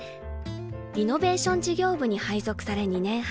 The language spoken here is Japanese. リノベーション事業部に配属され２年半。